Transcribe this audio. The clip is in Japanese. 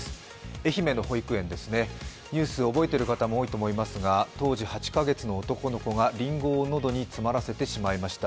愛媛の保育園ですね、ニュース覚えている方も多いと思いますが当時８か月の男の子がりんごを喉に詰まらせてしまいました。